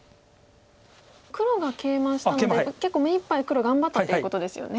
黒がケイマしたので結構目いっぱい黒頑張ったっていうことですよね。